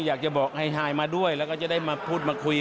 อยากจะบอกไฮมาด้วยแล้วก็จะได้มาพูดมาคุย